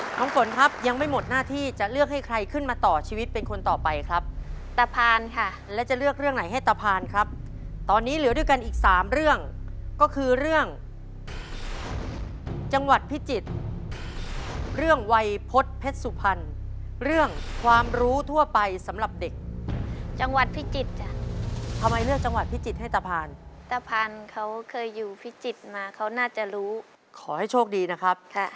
ขอบคุณมากครับขอบคุณมากขอบคุณมากขอบคุณมากขอบคุณมากขอบคุณมากขอบคุณมากขอบคุณมากขอบคุณมากขอบคุณมากขอบคุณมากขอบคุณมากขอบคุณมากขอบคุณมากขอบคุณมากขอบคุณมากขอบคุณมากขอบคุณมากขอบคุณมากขอบคุณมากขอบคุณมากขอบคุณมากขอบคุณมากขอบคุณมากขอ